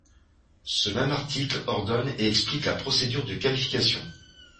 Ce même article ordonne et explique la procédure de qualification.